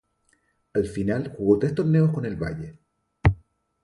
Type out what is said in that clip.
Al final jugó tres torneos con el Valle.